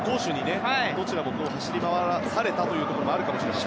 どちらも攻守に走り回らされたということがあるかもしれません。